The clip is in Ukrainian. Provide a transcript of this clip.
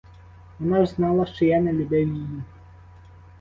Вона ж знала, що я не любив її.